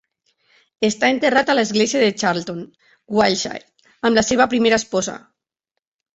Està enterrat a l'església de Charlton, Wiltshire, amb la seva primera esposa.